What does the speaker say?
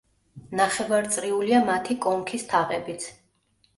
ნახევარწრიულია მათი კონქის თაღებიც.